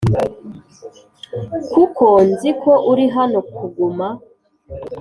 kuko nzi ko uri hano kuguma